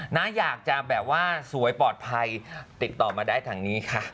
นะอยากจะแบบว่าสวยปลอดภัยติดต่อมาได้ทางนี้ค่ะ